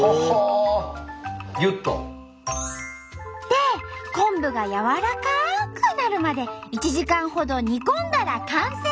で昆布が軟らかくなるまで１時間ほど煮込んだら完成！